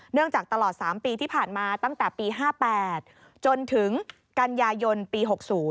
จากตลอด๓ปีที่ผ่านมาตั้งแต่ปี๕๘จนถึงกันยายนปี๖๐